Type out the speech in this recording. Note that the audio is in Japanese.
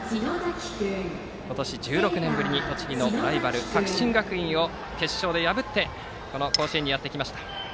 今年１６年ぶりに栃木のライバル、作新学院を決勝で破ってこの甲子園にやってきました。